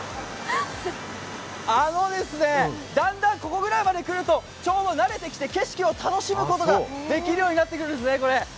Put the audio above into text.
あのですね、だんだんここぐらいまでくるとちょうど慣れてきて景色を楽しむことができるようになってくるんですね。